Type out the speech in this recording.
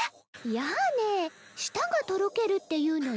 やね舌がとろけるって言うのよ。